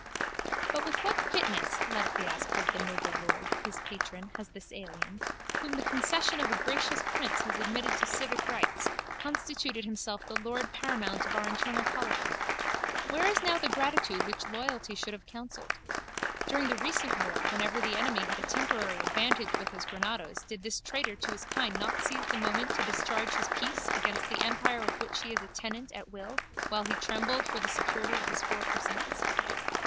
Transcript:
But with what fitness, let it be asked of the noble lord, his patron, has this alien, whom the concession of a gracious prince has admitted to civic rights, constituted himself the lord paramount of our internal polity? Where is now that gratitude which loyalty should have counselled? During the recent war whenever the enemy had a temporary advantage with his granados did this traitor to his kind not seize that moment to discharge his piece against the empire of which he is a tenant at will while he trembled for the security of his four per cents?